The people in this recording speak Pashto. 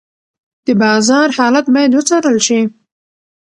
د بازار حالت باید وڅارل شي.